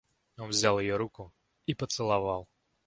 Он взял ее руку и поцеловал.